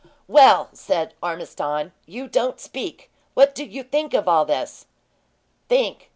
"Well," said Ormiston, "you don't speak! What do you think of all this?" "Think!